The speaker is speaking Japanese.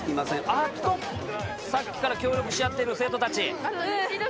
あっとさっきから協力し合ってる生徒たち。